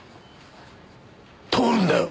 通るんだよ！